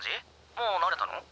もう慣れたの？